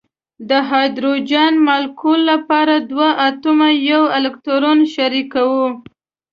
د هایدروجن مالیکول لپاره دوه اتومونه یو الکترون شریکوي.